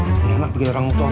ini anak bikin rambut tua